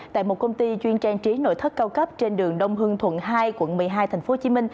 tại một công ty chuyên trang trí nội thất cao cấp trên đường đông hưng thuận hai quận một mươi hai tp hcm